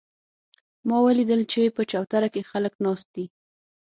ما ولیدل چې په چوتره کې خلک ناست دي